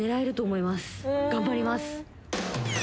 頑張ります。